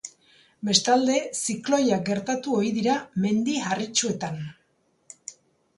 Bestalde, zikloiak gertatu ohi dira Mendi Harritsuetan.